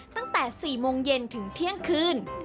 ตั้งแต่๔โมงเย็นถึงเที่ยงคืน